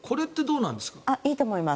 いいと思います。